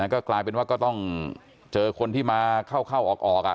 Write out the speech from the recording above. ก็กลายเป็นว่าก็ต้องเจอคนที่มาเข้าออก